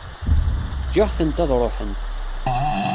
Ǧǧiɣ-tent ad ruḥent.